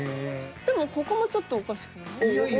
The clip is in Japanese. でもここもちょっとおかしくない？